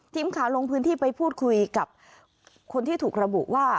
ทีมข่าวลงพื้นที่ไปพูดคุยกับคนที่ถูกระบุว่า